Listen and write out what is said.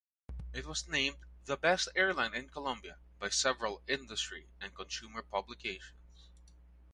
It was named the "Best airline in Colombia" by several industry and consumer publications.